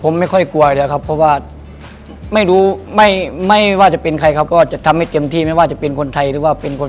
ผมไม่ค่อยกลัวแล้วครับเพราะว่าไม่รู้ไม่ไม่ว่าจะเป็นใครเขาก็จะทำให้เต็มที่ไม่ว่าจะเป็นคนไทยหรือว่าเป็นคน